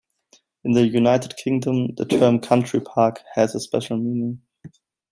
In the United Kingdom the term 'country park' has a special meaning.